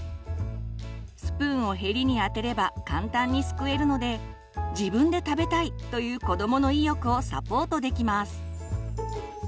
スプーンをヘリに当てれば簡単にすくえるので「自分で食べたい」という子どもの意欲をサポートできます。